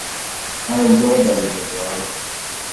I enjoyed that evening’s ride.